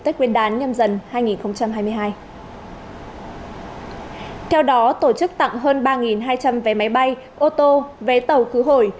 tết quyền đán nhân dân hai nghìn hai mươi hai theo đó tổ chức tặng hơn ba hai trăm linh vé máy bay ô tô vé tàu khứ hồi